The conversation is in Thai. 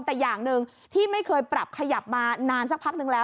แต่อย่างหนึ่งที่ไม่เคยปรับขยับมานานสักพักนึงแล้ว